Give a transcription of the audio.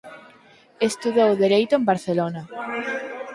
Estudou dereito en Barcelona.